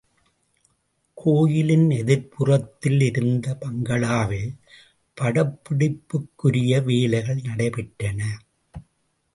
கோயிலின் எதிர்ப்புறத்தில் இருந்த பங்களாவில் படப்பிடிப்புக்குரிய வேலைகள் நடைபெற்றன.